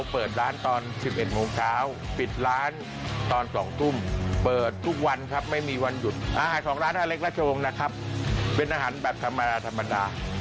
เป็นอาหารแบบธรรมดา